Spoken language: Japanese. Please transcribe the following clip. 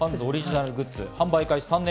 ハンズオリジナルグッズ、販売開始